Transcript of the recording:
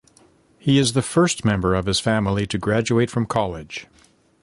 He is the first member of his family to graduate from college.